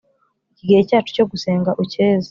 Iki gihe cyacu cyo gusenga ucyeze